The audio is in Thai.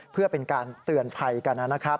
เพื่อเป็นการเตือนภัยกันนะครับ